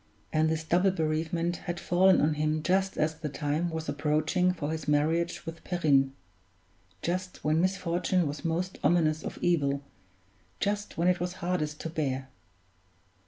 And this double bereavement had fallen on him just as the time was approaching for his marriage with Perrine; just when misfortune was most ominous of evil, just when it was hardest to bear!